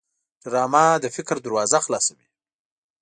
ډرامه د فکر دروازه خلاصوي